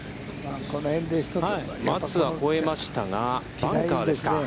松は越えましたがバンカーですか。